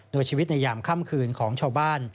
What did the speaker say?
โดยชีวิตในยามค่ำคืนของชาวบ้าน